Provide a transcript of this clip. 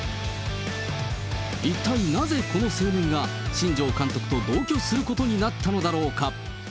一体なぜ、この青年が新庄監督と同居することになったのだろうか。